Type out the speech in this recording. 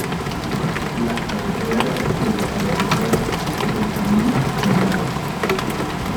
La carretera de acceso al aeropuerto es el camino Convair.